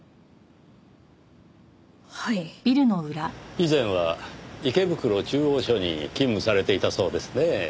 以前は池袋中央署に勤務されていたそうですねぇ。